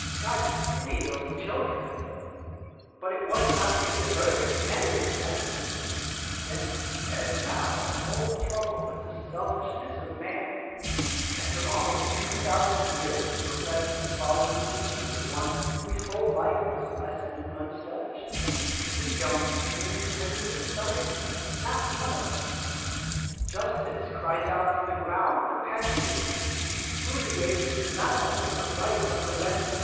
God pity those children! "But it was not to be averted. Nettie is right. Then as now the whole trouble was the selfishness of man' After almost two thousand years of professing to follow the teachings of one whose whole life was a lesson in unselfishness, we don't seem to have even started yet Not one of us Justice cries out from the ground per petually, through the ages, not only for right but for resti !